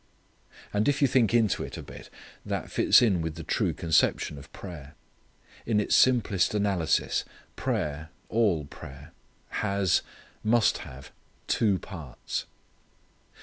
And if you think into it a bit, this fits in with the true conception of prayer. In its simplest analysis prayer all prayer has, must have, two parts.